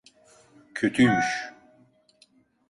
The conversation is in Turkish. Kötüymüş.